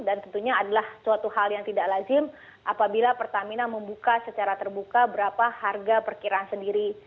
dan tentunya adalah suatu hal yang tidak lazim apabila pertamina membuka secara terbuka berapa harga perkiraan sendiri